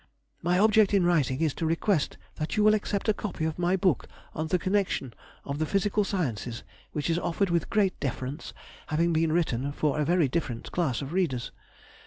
My object in writing is to request that you will accept of a copy of my book on the Connexion of the Physical Sciences, which is offered with great deference, having been written for a very different class of readers.